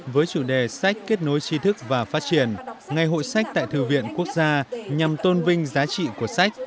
với chủ đề sách kết nối trí thức và phát triển ngày hội sách tại thư viện quốc gia nhằm tôn vinh giá trị của sách